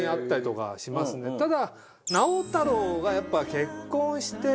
ただ直太朗がやっぱ結婚して。